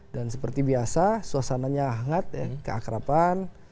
dan seperti biasa suasananya hangat keakrapan